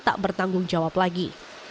tak bertanggung jawab lagi